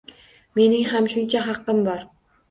Mening ham shuncha haqqim bor.